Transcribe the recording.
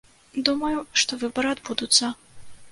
Думаю, што выбары адбудуцца.